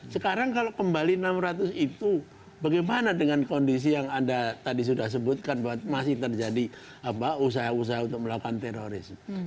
sekarang kalau kembali enam ratus itu bagaimana dengan kondisi yang anda tadi sudah sebutkan bahwa masih terjadi usaha usaha untuk melakukan teroris